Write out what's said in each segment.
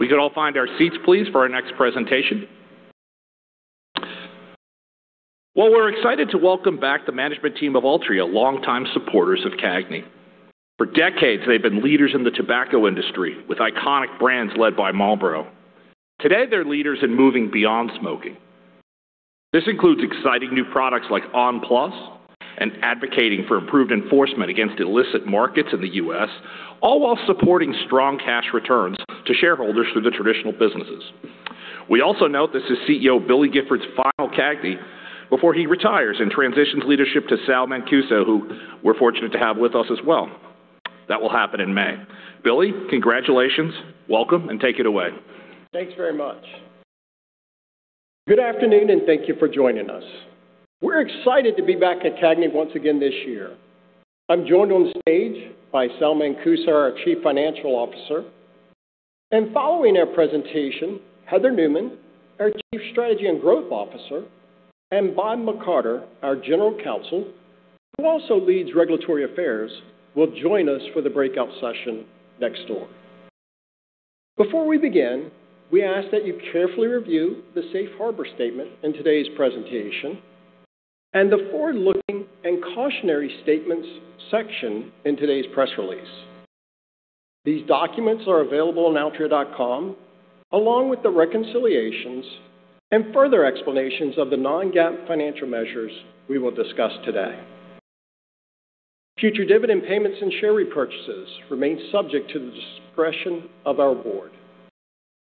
Could we all find our seats, please, for our next presentation? Well, we're excited to welcome back the management team of Altria, longtime supporters of CAGNY. For decades, they've been leaders in the tobacco industry, with iconic brands led by Marlboro. Today, they're leaders in moving beyond smoking. This includes exciting new products like on! PLUS and advocating for improved enforcement against illicit markets in the U.S., all while supporting strong cash returns to shareholders through the traditional businesses. We also note this is CEO Billy Gifford's final CAGNY before he retires and transitions leadership to Sal Mancuso, who we're fortunate to have with us as well. That will happen in May. Billy, congratulations. Welcome, and take it away. Thanks very much. Good afternoon, and thank you for joining us. We're excited to be back at CAGNY once again this year. I'm joined on stage by Sal Mancuso, our Chief Financial Officer, and following our presentation, Heather Newman, our Chief Strategy and Growth Officer, and Bob McCarter, our General Counsel, who also leads regulatory affairs, will join us for the breakout session next door. Before we begin, we ask that you carefully review the safe harbor statement in today's presentation and the forward-looking and cautionary statements section in today's press release. These documents are available on altria.com, along with the reconciliations and further explanations of the non-GAAP financial measures we will discuss today. Future dividend payments and share repurchases remain subject to the discretion of our board,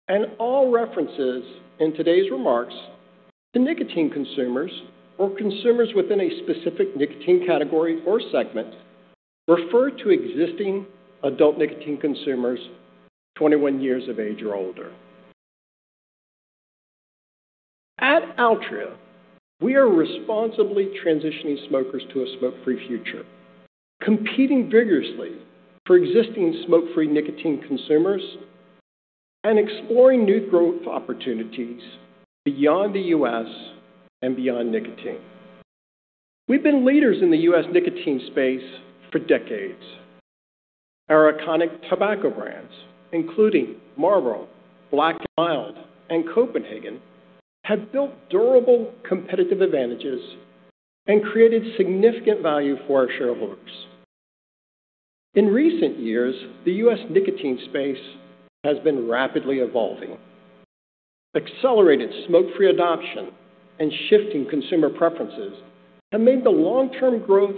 and all references in today's remarks to nicotine consumers or consumers within a specific nicotine category or segment refer to existing adult nicotine consumers 21 years of age or older. At Altria, we are responsibly transitioning smokers to a smoke-free future, competing vigorously for existing smoke-free nicotine consumers and exploring new growth opportunities beyond the U.S. and beyond nicotine. We've been leaders in the U.S. nicotine space for decades. Our iconic tobacco brands, including Marlboro, Black & Mild, and Copenhagen, have built durable competitive advantages and created significant value for our shareholders. In recent years, the U.S. nicotine space has been rapidly evolving. Accelerated smoke-free adoption and shifting consumer preferences have made the long-term growth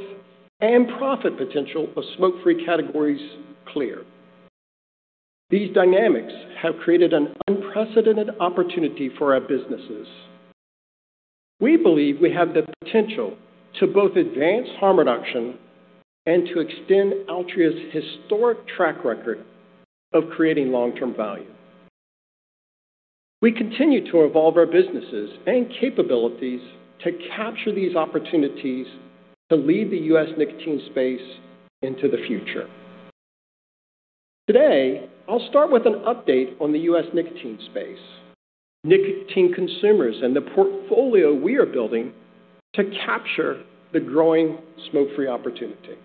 and profit potential of smoke-free categories clear. These dynamics have created an unprecedented opportunity for our businesses. We believe we have the potential to both advance harm reduction and to extend Altria's historic track record of creating long-term value. We continue to evolve our businesses and capabilities to capture these opportunities to lead the U.S. nicotine space into the future. Today, I'll start with an update on the U.S. nicotine space, nicotine consumers, and the portfolio we are building to capture the growing smoke-free opportunity.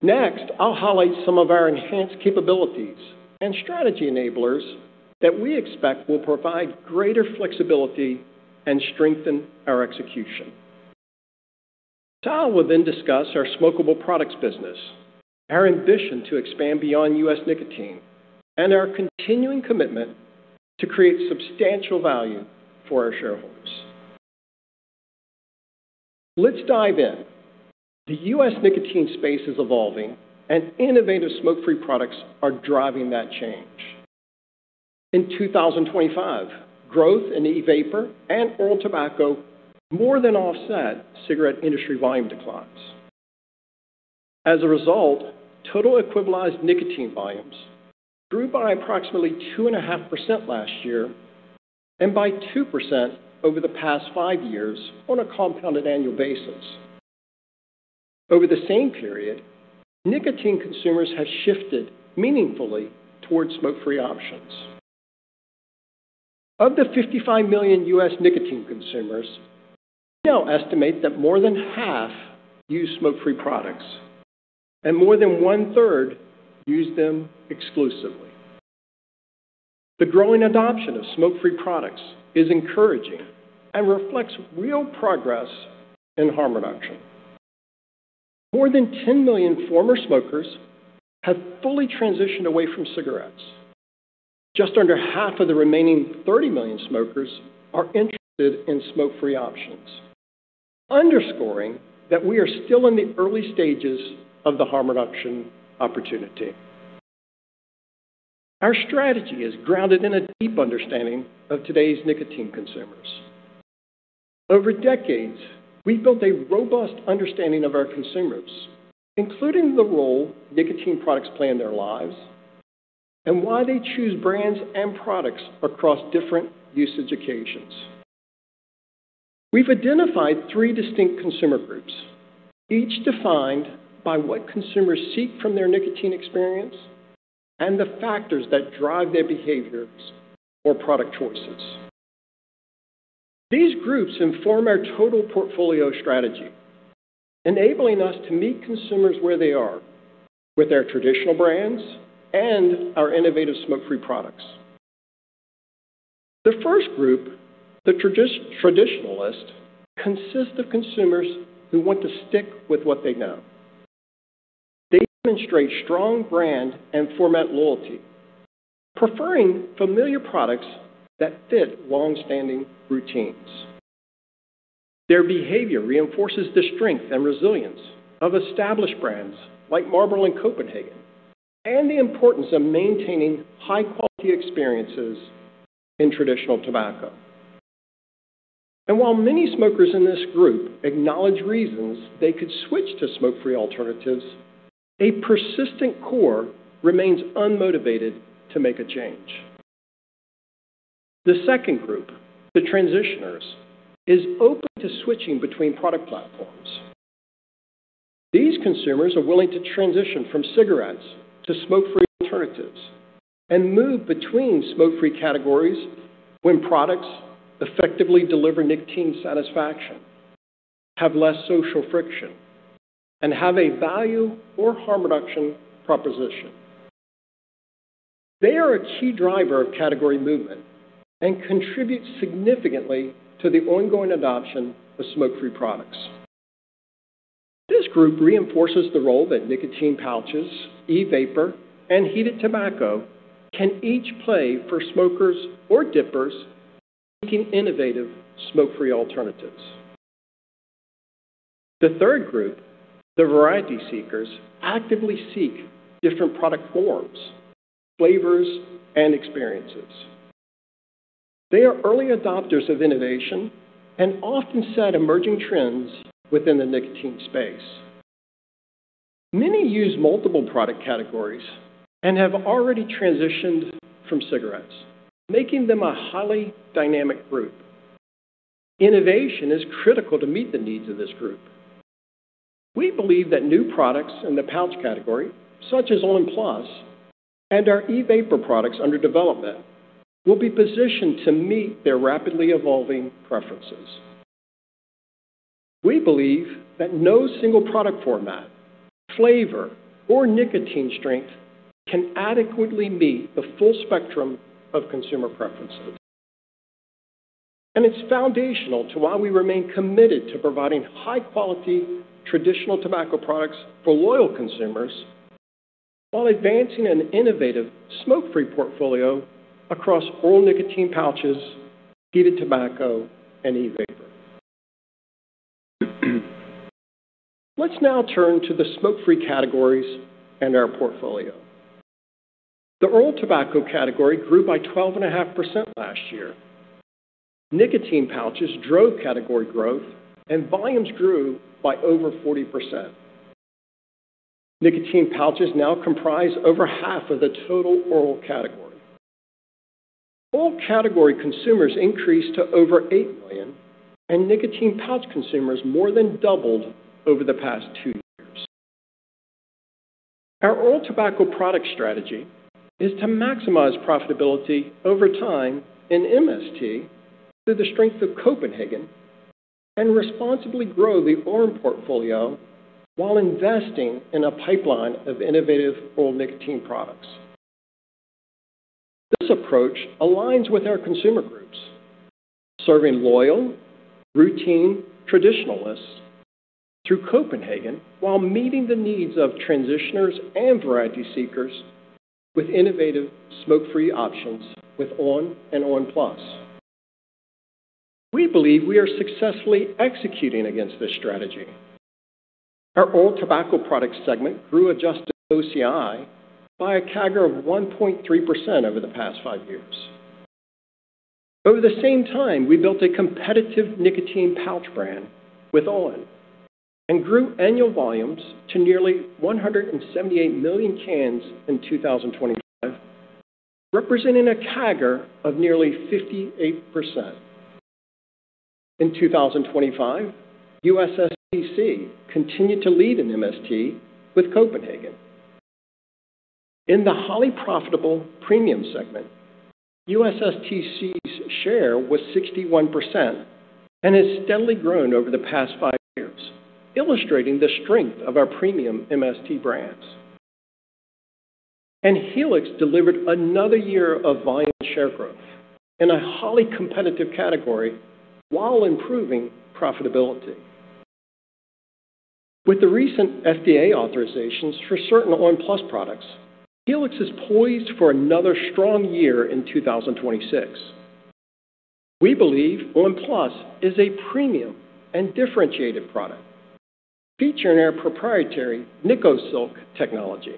Next, I'll highlight some of our enhanced capabilities and strategy enablers that we expect will provide greater flexibility and strengthen our execution. Sal will then discuss our Smokeable products business, our ambition to expand beyond U.S. nicotine, and our continuing commitment to create substantial value for our shareholders. Let's dive in. The U.S. nicotine space is evolving, and innovative smoke-free products are driving that change. In 2025, growth in e-vapor and oral tobacco more than offset cigarette industry volume declines. As a result, total equivalized nicotine volumes grew by approximately 2.5% last year and by 2% over the past five years on a compounded annual basis. Over the same period, nicotine consumers have shifted meaningfully towards smoke-free options. Of the 55 million U.S. nicotine consumers, we now estimate that more than half use smoke-free products and more than one-third use them exclusively. The growing adoption of smoke-free products is encouraging and reflects real progress in harm reduction. More than 10 million former smokers have fully transitioned away from cigarettes. Just under half of the remaining 30 million smokers are interested in smoke-free options, underscoring that we are still in the early stages of the harm reduction opportunity. Our strategy is grounded in a deep understanding of today's nicotine consumers. Over decades, we've built a robust understanding of our consumers, including the role nicotine products play in their lives and why they choose brands and products across different usage occasions. We've identified three distinct consumer groups, each defined by what consumers seek from their nicotine experience and the factors that drive their behaviors or product choices. These groups inform our total portfolio strategy, enabling us to meet consumers where they are with their traditional brands and our innovative smoke-free products. The first group, the traditionalist, consists of consumers who want to stick with what they know. They demonstrate strong brand and format loyalty, preferring familiar products that fit long-standing routines. Their behavior reinforces the strength and resilience of established brands like Marlboro and Copenhagen, and the importance of maintaining high-quality experiences in traditional tobacco. While many smokers in this group acknowledge reasons they could switch to smoke-free alternatives, a persistent core remains unmotivated to make a change. The second group, the transitioners, is open to switching between product platforms. These consumers are willing to transition from cigarettes to smoke-free alternatives and move between smoke-free categories when products effectively deliver nicotine satisfaction, have less social friction, and have a value or harm reduction proposition. They are a key driver of category movement and contribute significantly to the ongoing adoption of smoke-free products. This group reinforces the role that nicotine pouches, e-vapor, and heated tobacco can each play for smokers or dippers seeking innovative smoke-free alternatives. The third group, the variety seekers, actively seek different product forms, flavors, and experiences. They are early adopters of innovation and often set emerging trends within the nicotine space. Many use multiple product categories and have already transitioned from cigarettes, making them a highly dynamic group. Innovation is critical to meet the needs of this group. We believe that new products in the pouch category, such as on! PLUS and our e-vapor products under development, will be positioned to meet their rapidly evolving preferences. We believe that no single product format, flavor, or nicotine strength can adequately meet the full spectrum of consumer preferences, and it's foundational to why we remain committed to providing high-quality, traditional tobacco products for loyal consumers while advancing an innovative smoke-free portfolio across oral nicotine pouches, heated tobacco, and e-vapor. Let's now turn to the smoke-free categories and our portfolio. The oral tobacco category grew by 12.5% last year. Nicotine pouches drove category growth, and volumes grew by over 40%. Nicotine pouches now comprise over half of the total oral category. Oral category consumers increased to over eight million, and nicotine pouch consumers more than doubled over the past two years. Our oral tobacco product strategy is to maximize profitability over time in MST through the strength of Copenhagen and responsibly grow the oral portfolio while investing in a pipeline of innovative oral nicotine products. This approach aligns with our consumer groups, serving loyal, routine traditionalists through Copenhagen, while meeting the needs of transitioners and variety seekers with innovative smoke-free options with on! and on! PLUS. We believe we are successfully executing against this strategy. Our oral tobacco products segment grew adjusted OCI by a CAGR of 1.3% over the past five years. Over the same time, we built a competitive nicotine pouch brand with on! grew annual volumes to nearly 178 million cans in 2025, representing a CAGR of nearly 58%. In 2025, USSTC continued to lead in MST with Copenhagen. In the highly profitable premium segment, USSTC's share was 61% and has steadily grown over the past five years, illustrating the strength of our premium MST brands. Helix delivered another year of volume share growth in a highly competitive category while improving profitability. With the recent FDA authorizations for certain on! PLUS products, Helix is poised for another strong year in 2026. We believe on! PLUS is a premium and differentiated product, featuring our proprietary NICOSILK technology,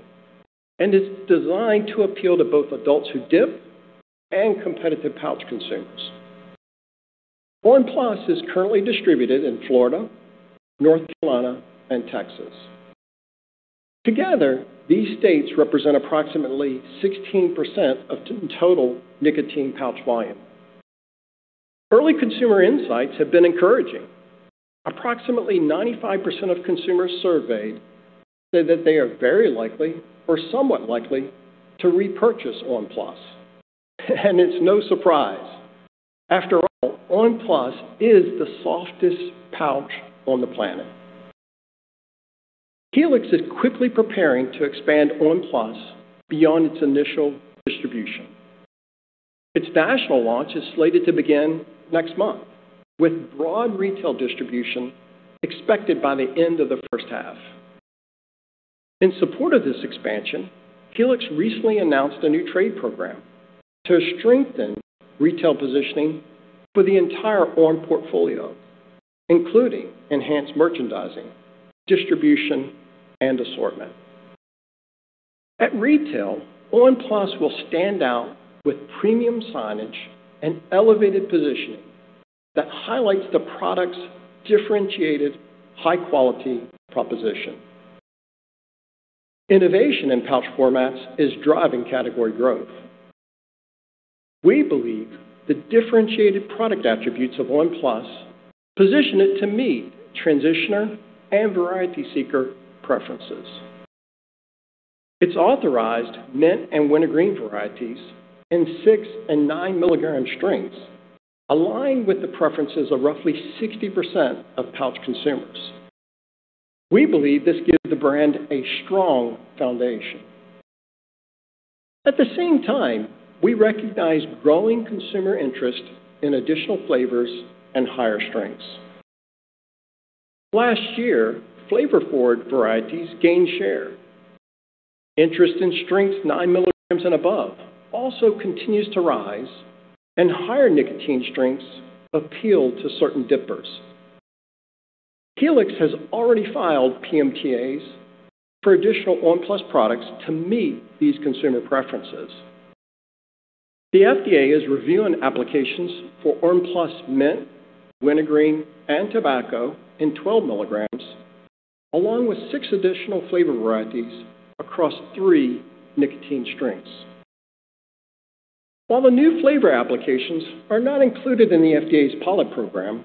and is designed to appeal to both adults who dip and competitive pouch consumers. on! PLUS is currently distributed in Florida, North Carolina, and Texas. Together, these states represent approximately 16% of total nicotine pouch volume. Early consumer insights have been encouraging. Approximately 95% of consumers surveyed said that they are very likely or somewhat likely to repurchase on! PLUS. It's no surprise. After all, on! PLUS is the softest pouch on the planet. Helix is quickly preparing to expand on! PLUS beyond its initial distribution. Its national launch is slated to begin next month, with broad retail distribution expected by the end of the first half. In support of this expansion, Helix recently announced a new trade program to strengthen retail positioning for the entire on! portfolio, including enhanced merchandising, distribution, and assortment. At retail, on! PLUS will stand out with premium signage and elevated positioning that highlights the product's differentiated high-quality proposition. Innovation in pouch formats is driving category growth. We believe the differentiated product attributes of on! PLUS position it to meet transitioner and variety seeker preferences. Its authorized mint and wintergreen varieties in six and nine mg strengths align with the preferences of roughly 60% of pouch consumers. We believe this gives the brand a strong foundation. At the same time, we recognize growing consumer interest in additional flavors and higher strengths. Last year, flavor forward varieties gained share. Interest in strengths nine mg and above also continues to rise, and higher nicotine strengths appeal to certain dippers. Helix has already filed PMTAs for additional on! PLUS products to meet these consumer preferences. The FDA is reviewing applications for on! PLUS mint, wintergreen, and tobacco in 12 milligrams, along with six additional flavor varieties across three nicotine strengths. While the new flavor applications are not included in the FDA's pilot program,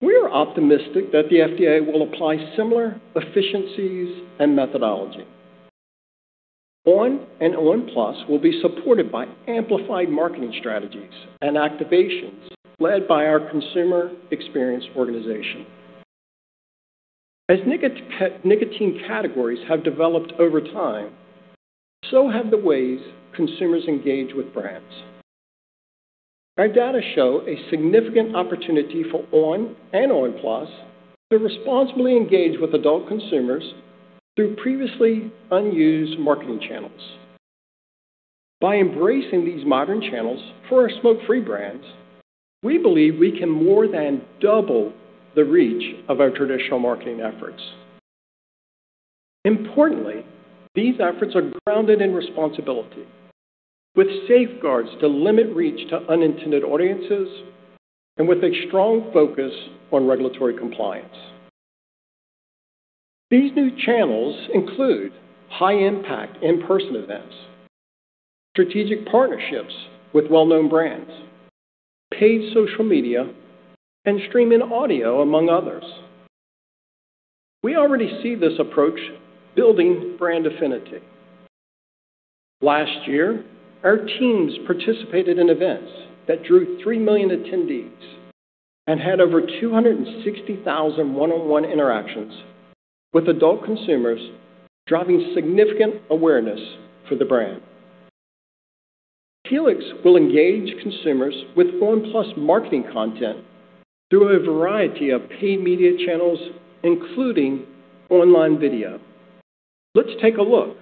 we are optimistic that the FDA will apply similar efficiencies and methodology. on! and on! PLUS will be supported by amplified marketing strategies and activations led by our consumer experience organization. As nicotine categories have developed over time, so have the ways consumers engage with brands. Our data show a significant opportunity for on! and on! PLUS to responsibly engage with adult consumers through previously unused marketing channels. By embracing these modern channels for our smoke-free brands, we believe we can more than double the reach of our traditional marketing efforts. Importantly, these efforts are grounded in responsibility, with safeguards to limit reach to unintended audiences and with a strong focus on regulatory compliance. These new channels include high-impact in-person events, strategic partnerships with well-known brands, paid social media, and streaming audio, among others. We already see this approach building brand affinity. Last year, our teams participated in events that drew three million attendees and had over 260,000 one-on-one interactions with adult consumers, driving significant awareness for the brand. Helix will engage consumers with on! PLUS marketing content through a variety of paid media channels, including online video. Let's take a look.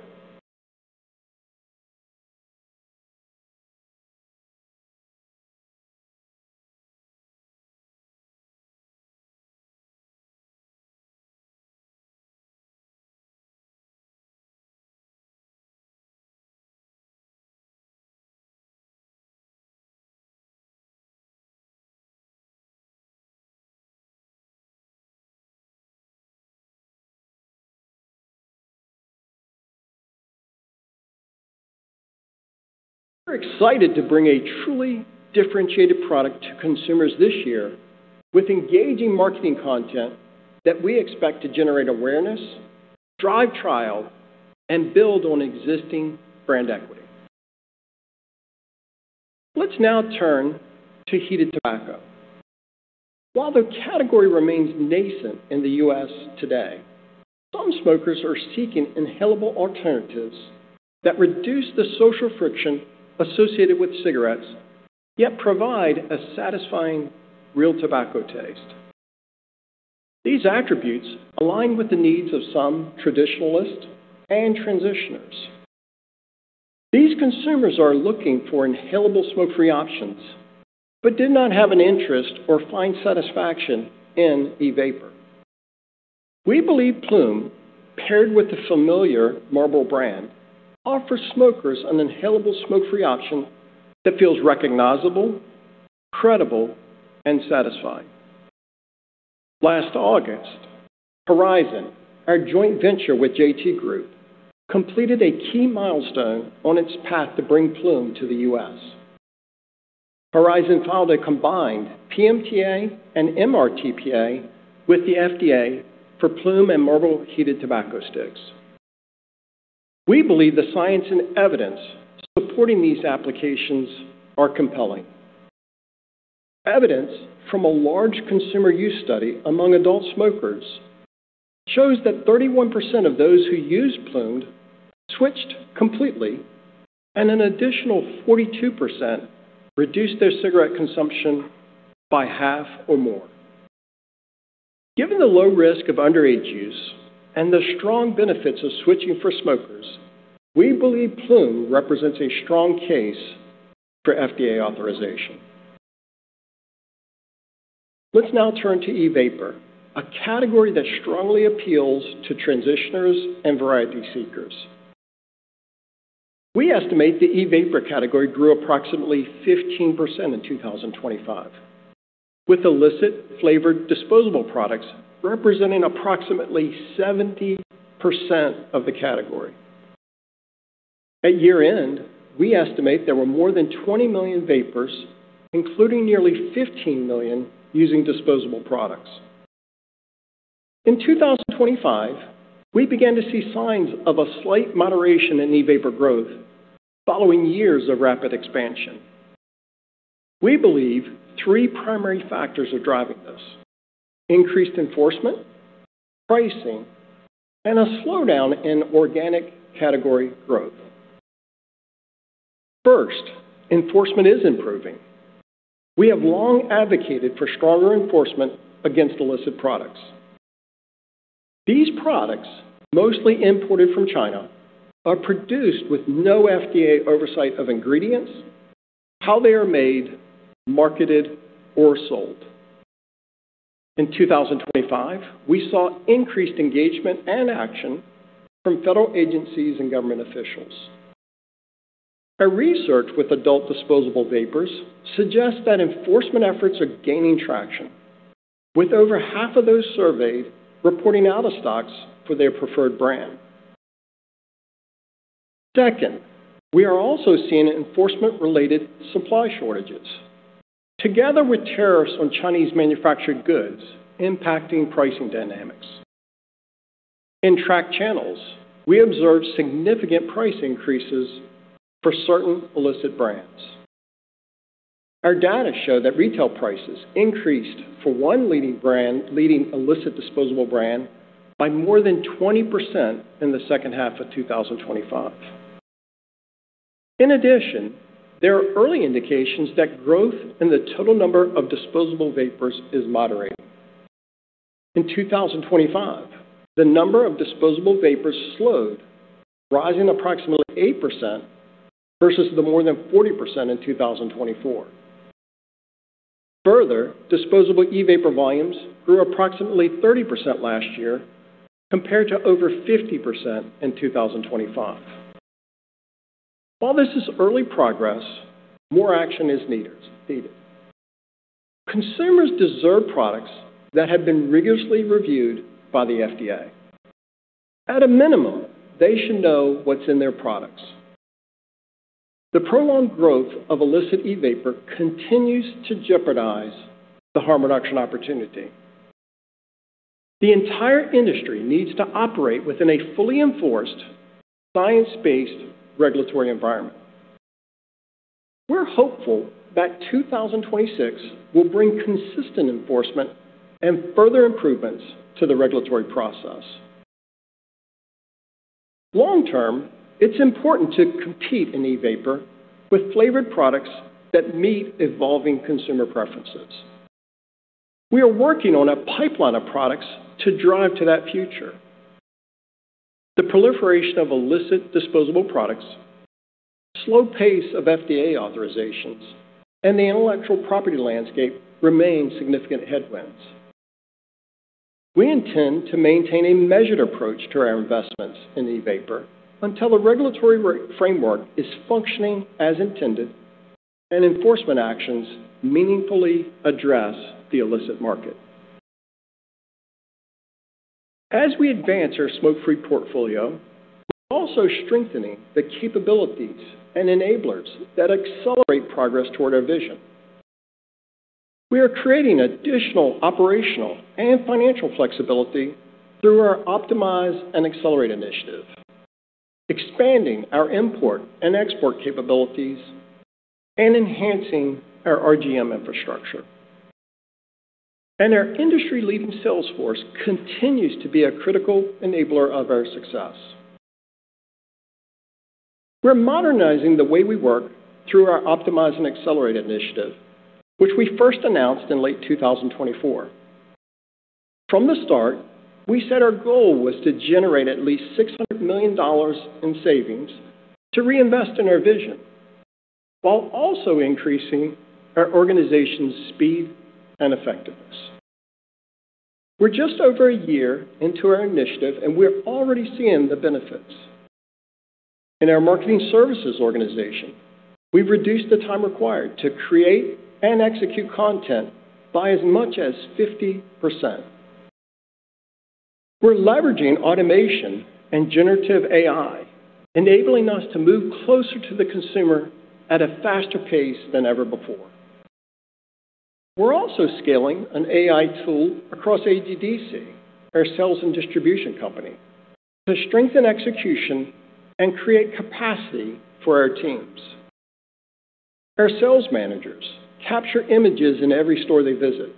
We're excited to bring a truly differentiated product to consumers this year with engaging marketing content that we expect to generate awareness, drive trial, and build on existing brand equity. Let's now turn to heated tobacco. While the category remains nascent in the U.S. today, some smokers are seeking inhalable alternatives that reduce the social friction associated with cigarettes, yet provide a satisfying, real tobacco taste. These attributes align with the needs of some traditionalists and transitioners. These consumers are looking for inhalable smoke-free options, but did not have an interest or find satisfaction in e-vapor. We believe Ploom, paired with the familiar Marlboro brand, offers smokers an inhalable smoke-free option that feels recognizable, credible, and satisfying. Last August, Horizon, our joint venture with JT Group, completed a key milestone on its path to bring Ploom to the U.S. Horizon filed a combined PMTA and MRTPA with the FDA for Ploom and Marlboro heated tobacco sticks. We believe the science and evidence supporting these applications are compelling. Evidence from a large consumer use study among adult smokers shows that 31% of those who used Ploom switched completely, and an additional 42% reduced their cigarette consumption by half or more. Given the low risk of underage use and the strong benefits of switching for smokers, we believe Ploom represents a strong case for FDA authorization. Let's now turn to e-vapor, a category that strongly appeals to transitioners and variety seekers. We estimate the e-vapor category grew approximately 15% in 2025, with illicit flavored disposable products representing approximately 70% of the category. At year-end, we estimate there were more than 20 million vapers, including nearly 15 million using disposable products. In 2025, we began to see signs of a slight moderation in e-vapor growth following years of rapid expansion. We believe three primary factors are driving this: increased enforcement, pricing, and a slowdown in organic category growth. First, enforcement is improving. We have long advocated for stronger enforcement against illicit products. These products, mostly imported from China, are produced with no FDA oversight of ingredients, how they are made, marketed, or sold. In 2025, we saw increased engagement and action from federal agencies and government officials. Our research with adult disposable vapers suggests that enforcement efforts are gaining traction, with over half of those surveyed reporting out of stocks for their preferred brand. Second, we are also seeing enforcement-related supply shortages, together with tariffs on Chinese-manufactured goods impacting pricing dynamics. In track channels, we observed significant price increases for certain illicit brands. Our data show that retail prices increased for one leading brand, leading illicit disposable brand, by more than 20% in the second half of 2025. In addition, there are early indications that growth in the total number of disposable vapers is moderating. In 2025, the number of disposable vapers slowed, rising approximately 8% versus the more than 40% in 2024. Further, disposable e-vapor volumes grew approximately 30% last year, compared to over 50% in 2025. While this is early progress, more action is needed. Consumers deserve products that have been rigorously reviewed by the FDA. At a minimum, they should know what's in their products. The prolonged growth of illicit e-vapor continues to jeopardize the harm reduction opportunity. The entire industry needs to operate within a fully enforced, science-based regulatory environment. We're hopeful that 2026 will bring consistent enforcement and further improvements to the regulatory process. Long term, it's important to compete in e-vapor with flavored products that meet evolving consumer preferences. We are working on a pipeline of products to drive to that future. The proliferation of illicit disposable products, slow pace of FDA authorizations, and the intellectual property landscape remain significant headwinds. We intend to maintain a measured approach to our investments in e-vapor until the regulatory framework is functioning as intended and enforcement actions meaningfully address the illicit market. As we advance our smoke-free portfolio, we're also strengthening the capabilities and enablers that accelerate progress toward our vision. We are creating additional operational and financial flexibility through our Optimize and Accelerate initiative, expanding our import and export capabilities, and enhancing our RGM infrastructure. And our industry-leading sales force continues to be a critical enabler of our success. We're modernizing the way we work through our Optimize and Accelerate initiative, which we first announced in late 2024. From the start, we said our goal was to generate at least $600 million in savings to reinvest in our vision, while also increasing our organization's speed and effectiveness. We're just over a year into our initiative, and we're already seeing the benefits. In our marketing services organization, we've reduced the time required to create and execute content by as much as 50%. We're leveraging automation and generative AI, enabling us to move closer to the consumer at a faster pace than ever before. We're also scaling an AI tool across AGDC, our sales and distribution company, to strengthen execution and create capacity for our teams. Our sales managers capture images in every store they visit.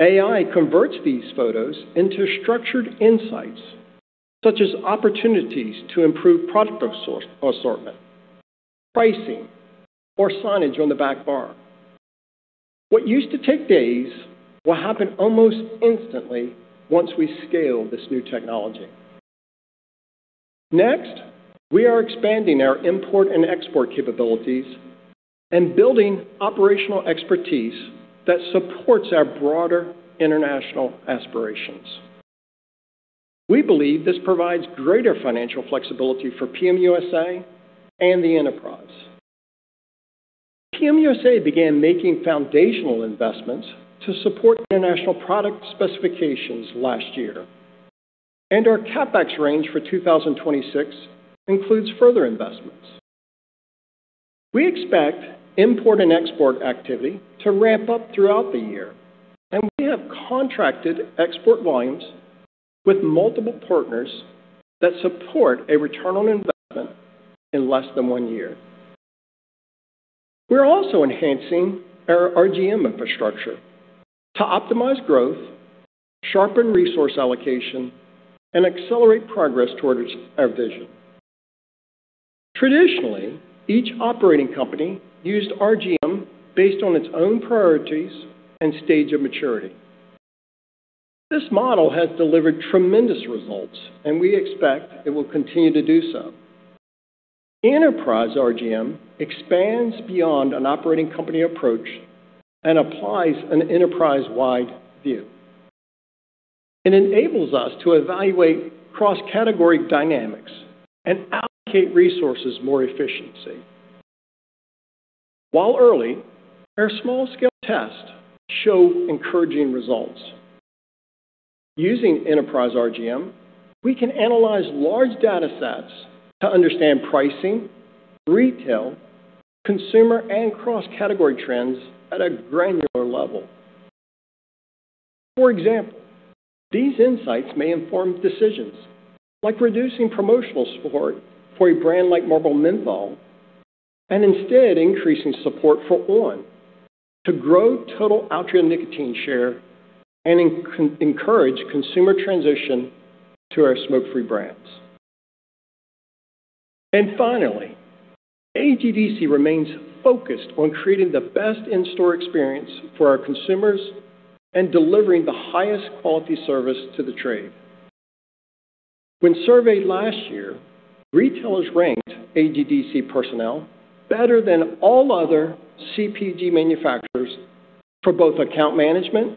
AI converts these photos into structured insights, such as opportunities to improve product source assortment, pricing, or signage on the back bar. What used to take days will happen almost instantly once we scale this new technology. Next, we are expanding our import and export capabilities and building operational expertise that supports our broader international aspirations. We believe this provides greater financial flexibility for PM USA and the enterprise. PM USA began making foundational investments to support international product specifications last year, and our CapEx range for 2026 includes further investments. We expect import and export activity to ramp up throughout the year, and we have contracted export volumes with multiple partners that support a return on investment in less than one year. We're also enhancing our RGM infrastructure to optimize growth, sharpen resource allocation, and accelerate progress towards our vision. Traditionally, each operating company used RGM based on its own priorities and stage of maturity. This model has delivered tremendous results, and we expect it will continue to do so. Enterprise RGM expands beyond an operating company approach and applies an enterprise-wide view. It enables us to evaluate cross-category dynamics and allocate resources more efficiently. While early, our small-scale tests show encouraging results. Using enterprise RGM, we can analyze large data sets to understand pricing, retail, consumer, and cross-category trends at a granular level. For example, these insights may inform decisions like reducing promotional support for a brand like Marlboro Menthol and instead increasing support for on! to grow total Altria nicotine share and encourage consumer transition to our smoke-free brands. And finally, AGDC remains focused on creating the best in-store experience for our consumers and delivering the highest quality service to the trade. When surveyed last year, retailers ranked AGDC personnel better than all other CPG manufacturers for both account management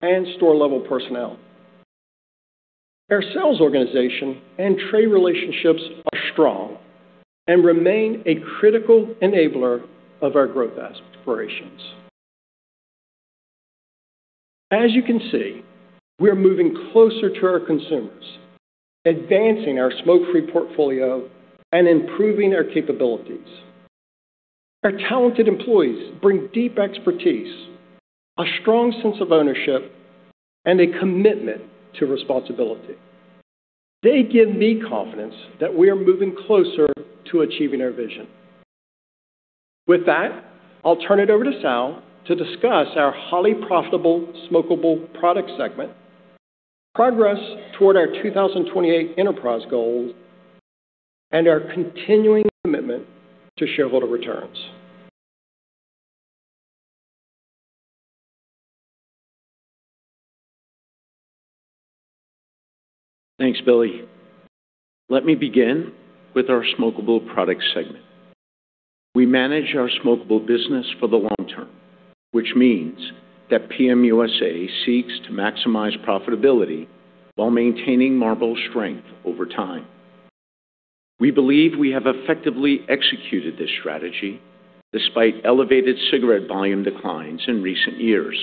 and store-level personnel. Our sales organization and trade relationships are strong and remain a critical enabler of our growth aspirations. As you can see, we are moving closer to our consumers, advancing our smoke-free portfolio, and improving our capabilities. Our talented employees bring deep expertise, a strong sense of ownership, and a commitment to responsibility. They give me confidence that we are moving closer to achieving our vision. With that, I'll turn it over to Sal to discuss our highly profitable Smokeable product segment, progress toward our 2028 enterprise goals, and our continuing commitment to shareholder returns. Thanks, Billy. Let me begin with our Smokeable product segment. We manage our Smokeable business for the long term, which means that PM USA seeks to maximize profitability while maintaining Marlboro strength over time. We believe we have effectively executed this strategy despite elevated cigarette volume declines in recent years.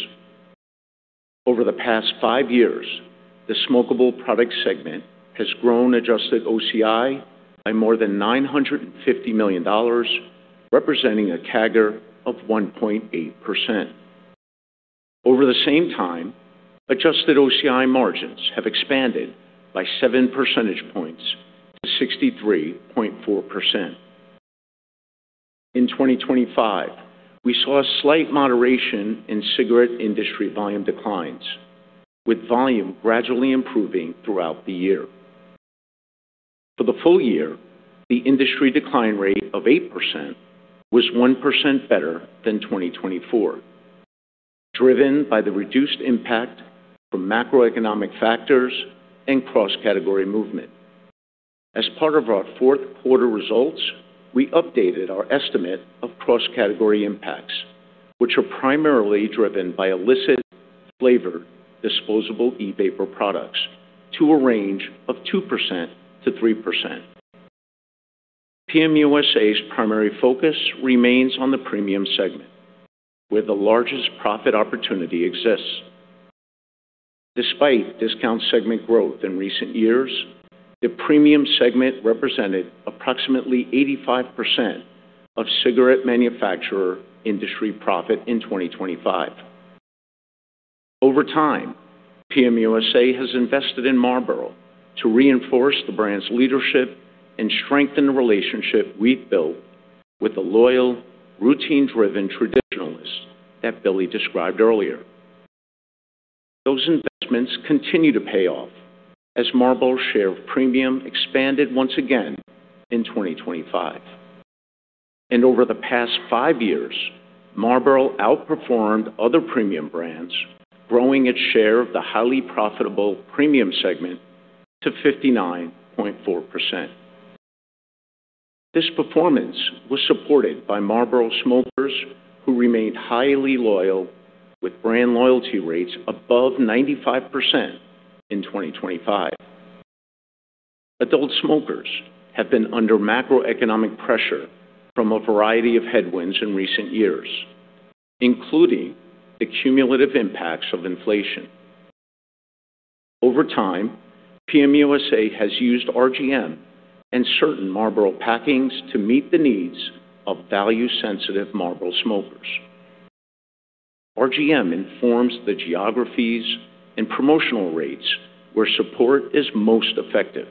Over the past five years, the Smokeable product segment has grown adjusted OCI by more than $950 million, representing a CAGR of 1.8%. Over the same time, adjusted OCI margins have expanded by seven percentage points to 63.4%. In 2025, we saw a slight moderation in cigarette industry volume declines, with volume gradually improving throughout the year. For the full year, the industry decline rate of 8% was 1% better than 2024, driven by the reduced impact from macroeconomic factors and cross-category movement. As part of our fourth quarter results, we updated our estimate of cross-category impacts, which are primarily driven by illicit flavored disposable e-vapor products to a range of 2%-3%. PM USA's primary focus remains on the premium segment, where the largest profit opportunity exists. Despite discount segment growth in recent years, the premium segment represented approximately 85% of cigarette manufacturer industry profit in 2025. Over time, PM USA has invested in Marlboro to reinforce the brand's leadership and strengthen the relationship we've built with the loyal, routine-driven traditionalists that Billy described earlier. Those investments continue to pay off as Marlboro share of premium expanded once again in 2025, and over the past five years, Marlboro outperformed other premium brands, growing its share of the highly profitable premium segment to 59.4%. This performance was supported by Marlboro smokers, who remained highly loyal, with brand loyalty rates above 95% in 2025. Adult smokers have been under macroeconomic pressure from a variety of headwinds in recent years, including the cumulative impacts of inflation. Over time, PM USA has used RGM and certain Marlboro packings to meet the needs of value-sensitive Marlboro smokers. RGM informs the geographies and promotional rates where support is most effective,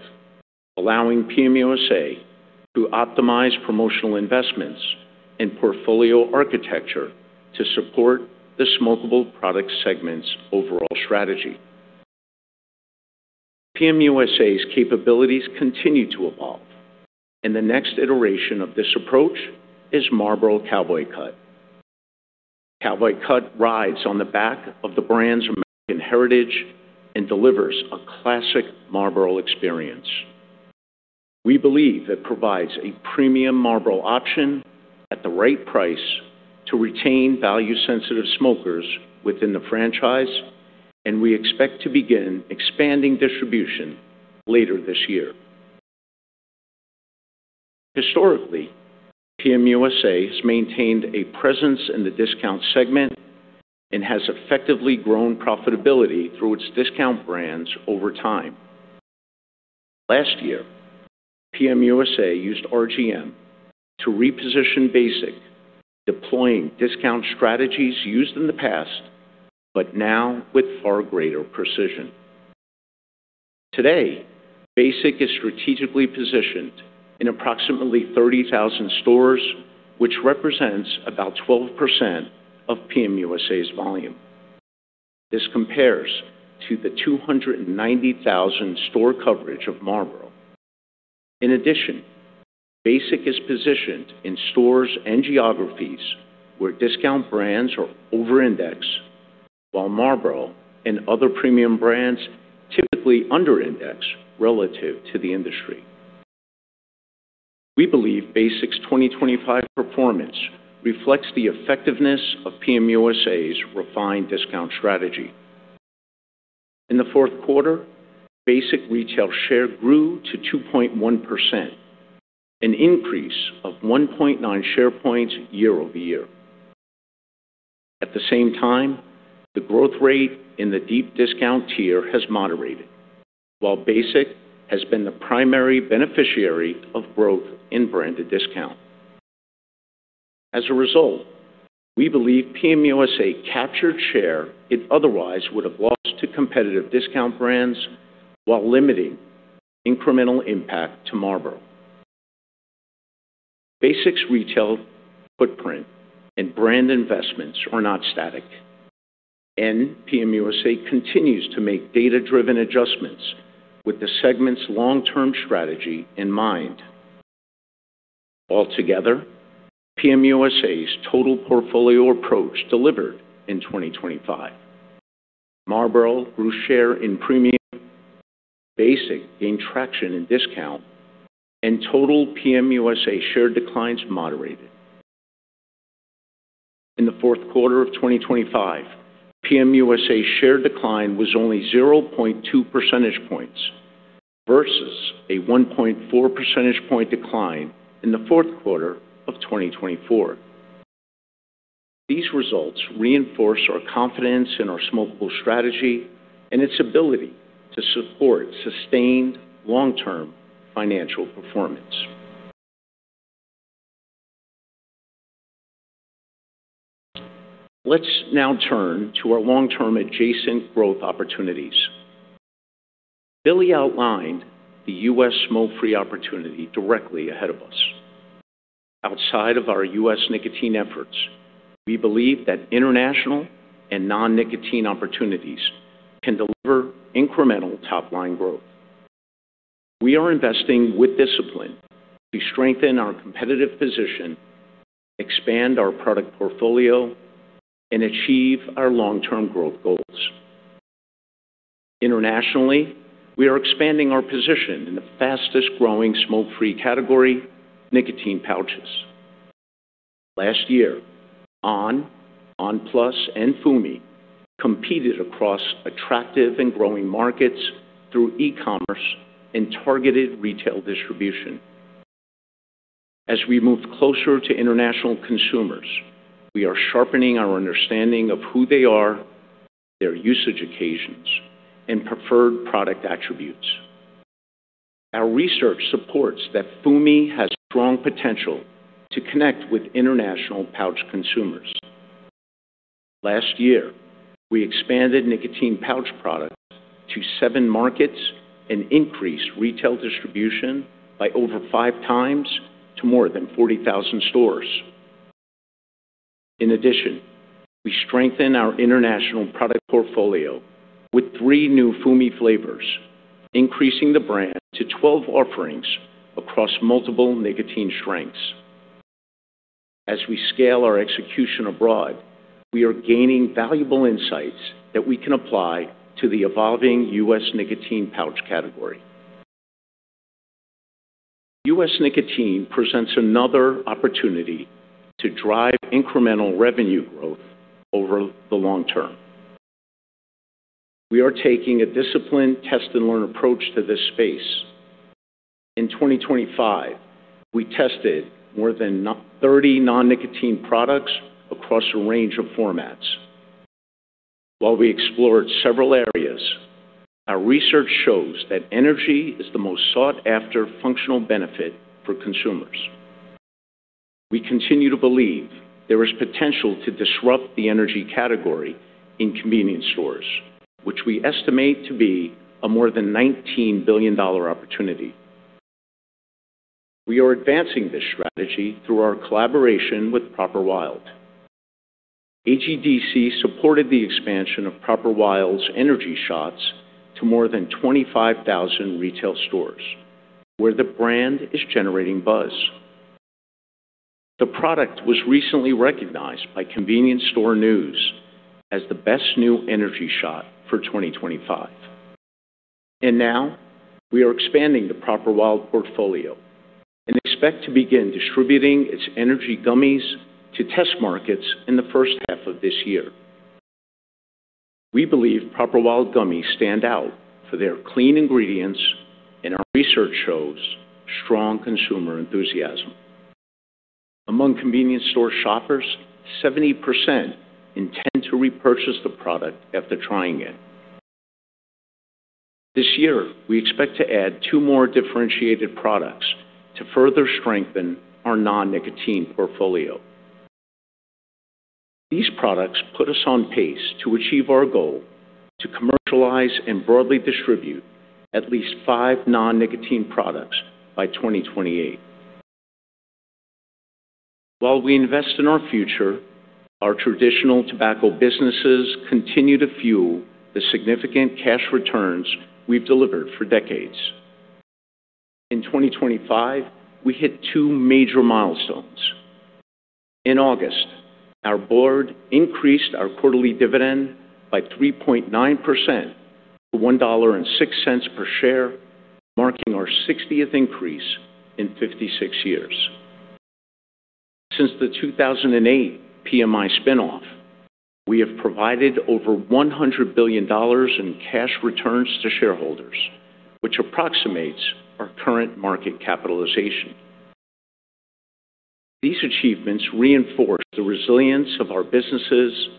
allowing PM USA to optimize promotional investments and portfolio architecture to support the smokeable product segment's overall strategy. PM USA's capabilities continue to evolve, and the next iteration of this approach is Marlboro Cowboy Cut. Cowboy Cut rides on the back of the brand's American heritage and delivers a classic Marlboro experience. We believe it provides a premium Marlboro option at the right price to retain value-sensitive smokers within the franchise, and we expect to begin expanding distribution later this year. Historically, PM USA has maintained a presence in the discount segment and has effectively grown profitability through its discount brands over time. Last year, PM USA used RGM to reposition Basic, deploying discount strategies used in the past, but now with far greater precision. Today, Basic is strategically positioned in approximately 30,000 stores, which represents about 12% of PM USA's volume. This compares to the 290,000 store coverage of Marlboro. In addition, Basic is positioned in stores and geographies where discount brands are over indexed, while Marlboro and other premium brands typically under index relative to the industry. We believe Basic's 2025 performance reflects the effectiveness of PM USA's refined discount strategy. In the fourth quarter, Basic retail share grew to 2.1%, an increase of 1.9 share points year-over-year. At the same time, the growth rate in the deep discount tier has moderated, while Basic has been the primary beneficiary of growth in branded discount. As a result, we believe PM USA captured share it otherwise would have lost to competitive discount brands while limiting incremental impact to Marlboro. Basic's retail footprint and brand investments are not static, and PM USA continues to make data-driven adjustments with the segment's long-term strategy in mind. Altogether, PM USA's total portfolio approach delivered in 2025. Marlboro grew share in premium, Basic gained traction in discount, and total PM USA share declines moderated. In the fourth quarter of 2025, PM USA share decline was only 0.2 percentage points versus a 1.4 percentage point decline in the fourth quarter of 2024. These results reinforce our confidence in our smokeable strategy and its ability to support sustained long-term financial performance. Let's now turn to our long-term adjacent growth opportunities. Billy outlined the U.S. smoke-free opportunity directly ahead of us. Outside of our U.S. nicotine efforts, we believe that international and non-nicotine opportunities can deliver incremental top-line growth. We are investing with discipline to strengthen our competitive position, expand our product portfolio, and achieve our long-term growth goals. Internationally, we are expanding our position in the fastest-growing smoke-free category, nicotine pouches. Last year, on!, on! PLUS, and FUMi competed across attractive and growing markets through e-commerce and targeted retail distribution. As we move closer to international consumers, we are sharpening our understanding of who they are, their usage occasions, and preferred product attributes. Our research supports that FUMi has strong potential to connect with international pouch consumers. Last year, we expanded nicotine pouch products to seven markets and increased retail distribution by over five times to more than 40,000 stores. In addition, we strengthened our international product portfolio with three new FUMi flavors, increasing the brand to 12 offerings across multiple nicotine strengths. As we scale our execution abroad, we are gaining valuable insights that we can apply to the evolving U.S. nicotine pouch category. U.S. nicotine presents another opportunity to drive incremental revenue growth over the long term. We are taking a disciplined test and learn approach to this space. In 2025, we tested more than 30 non-nicotine products across a range of formats. While we explored several areas, our research shows that energy is the most sought-after functional benefit for consumers. We continue to believe there is potential to disrupt the energy category in convenience stores, which we estimate to be a more than $19 billion opportunity. We are advancing this strategy through our collaboration with Proper Wild. AGDC supported the expansion of Proper Wild's energy shots to more than 25,000 retail stores, where the brand is generating buzz. The product was recently recognized by Convenience Store News as the best new energy shot for 2025. Now we are expanding the Proper Wild portfolio and expect to begin distributing its energy gummies to test markets in the first half of this year. We believe Proper Wild gummies stand out for their clean ingredients, and our research shows strong consumer enthusiasm. Among convenience store shoppers, 70% intend to repurchase the product after trying it. This year, we expect to add two more differentiated products to further strengthen our non-nicotine portfolio. These products put us on pace to achieve our goal to commercialize and broadly distribute at least 5 non-nicotine products by 2028. While we invest in our future, our traditional tobacco businesses continue to fuel the significant cash returns we've delivered for decades. In 2025, we hit two major milestones. In August, our board increased our quarterly dividend by 3.9%-$1.06 per share, marking our 60th increase in 56 years. Since the 2008 PMI spinoff, we have provided over $100 billion in cash returns to shareholders, which approximates our current market capitalization. These achievements reinforce the resilience of our businesses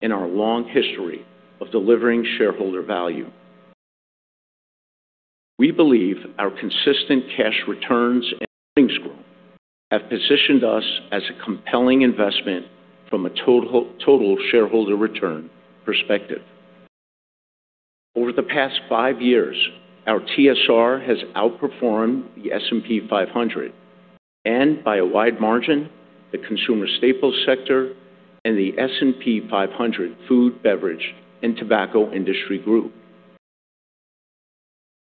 and our long history of delivering shareholder value. We believe our consistent cash returns and earnings growth have positioned us as a compelling investment from a total, total shareholder return perspective. Over the past five years, our TSR has outperformed the S&P 500, and by a wide margin, the consumer staples sector and the S&P 500 Food, Beverage, and Tobacco Industry group.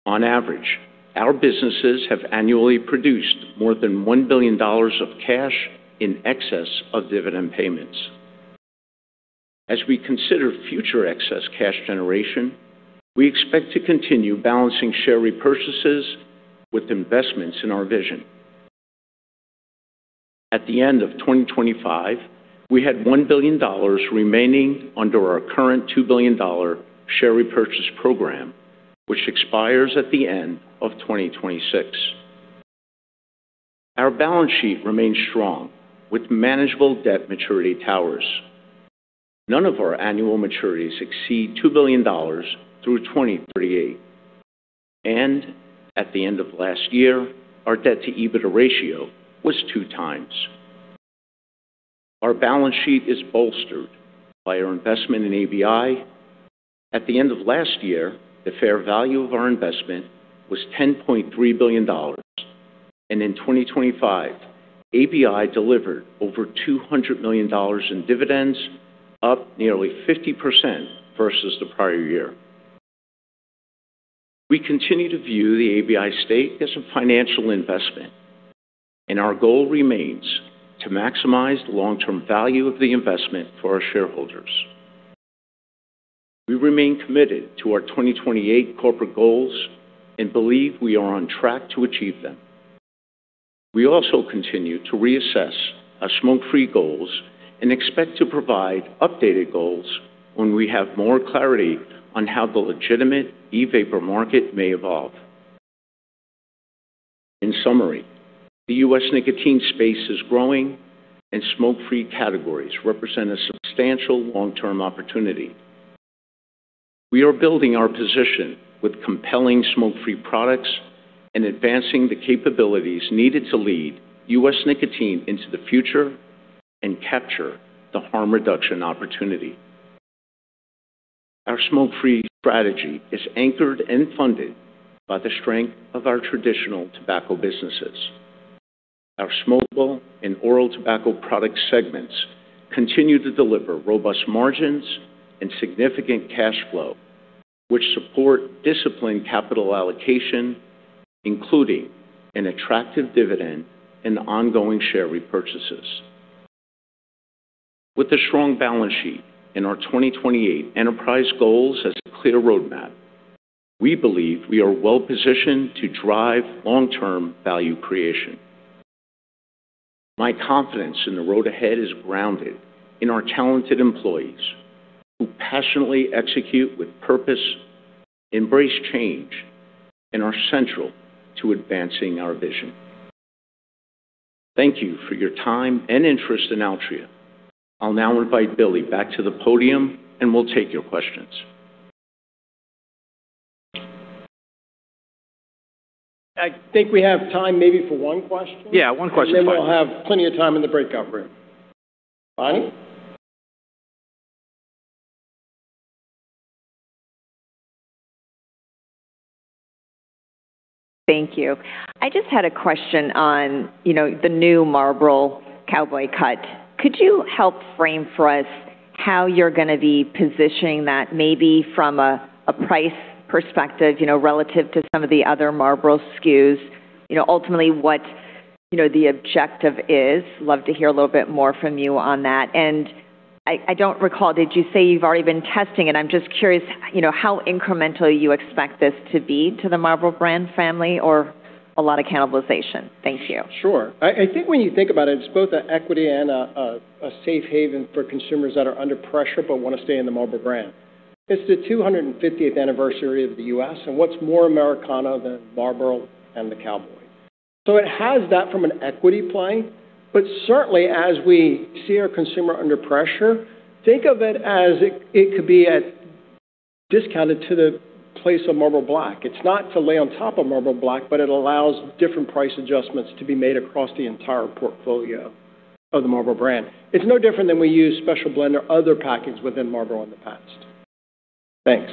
On average, our businesses have annually produced more than $1 billion of cash in excess of dividend payments. As we consider future excess cash generation, we expect to continue balancing share repurchases with investments in our vision. At the end of 2025, we had $1 billion remaining under our current $2 billion share repurchase program, which expires at the end of 2026. Our balance sheet remains strong, with manageable debt maturity towers. None of our annual maturities exceed $2 billion through 2038, and at the end of last year, our debt to EBITDA ratio was 2x. Our balance sheet is bolstered by our investment in ABI. At the end of last year, the fair value of our investment was $10.3 billion, and in 2025, ABI delivered over $200 million in dividends, up nearly 50% versus the prior year. We continue to view the ABI stake as a financial investment, and our goal remains to maximize the long-term value of the investment for our shareholders. We remain committed to our 2028 corporate goals and believe we are on track to achieve them. We also continue to reassess our smoke-free goals and expect to provide updated goals when we have more clarity on how the legitimate e-vapor market may evolve. In summary, the U.S. nicotine space is growing, and smoke-free categories represent a substantial long-term opportunity. We are building our position with compelling smoke-free products and advancing the capabilities needed to lead U.S. nicotine into the future and capture the harm reduction opportunity. Our smoke-free strategy is anchored and funded by the strength of our traditional tobacco businesses. Our smokeable and oral tobacco product segments continue to deliver robust margins and significant cash flow, which support disciplined capital allocation, including an attractive dividend and ongoing share repurchases. With a strong balance sheet and our 2028 enterprise goals as a clear roadmap, we believe we are well positioned to drive long-term value creation. My confidence in the road ahead is grounded in our talented employees, who passionately execute with purpose, embrace change, and are central to advancing our vision. Thank you for your time and interest in Altria. I'll now invite Billy back to the podium, and we'll take your questions. I think we have time maybe for one question? Yeah, one question. Then we'll have plenty of time in the breakout room. Bonnie? Thank you. I just had a question on, you know, the new Marlboro Cowboy Cut. Could you help frame for us how you're going to be positioning that, maybe from a price perspective, you know, relative to some of the other Marlboro SKUs? You know, ultimately, what, you know, the objective is. Love to hear a little bit more from you on that. And I don't recall, did you say you've already been testing it? I'm just curious, you know, how incremental you expect this to be to the Marlboro brand family or a lot of cannibalization. Thank you. Sure. I think when you think about it, it's both an equity and a safe haven for consumers that are under pressure but want to stay in the Marlboro brand. It's the 250th anniversary of the U.S., and what's more Americana than Marlboro and the cowboy? So it has that from an equity play, but certainly, as we see our consumer under pressure, think of it as it could be discounted to the price of Marlboro Black. It's not to lay on top of Marlboro Black, but it allows different price adjustments to be made across the entire portfolio of the Marlboro brand. It's no different than we use Special Blend or other packages within Marlboro in the past. Thanks.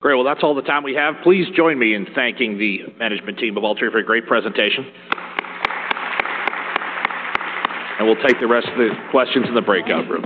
Great. Well, that's all the time we have. Please join me in thanking the management team of Altria for a great presentation. We'll take the rest of the questions in the breakout room.